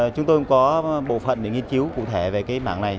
chúng tôi cũng có bộ phận để nghiên cứu cụ thể về mạng này